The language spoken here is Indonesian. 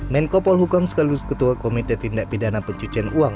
menkopol hukum sekaligus ketua komite tindak pidana pencucian uang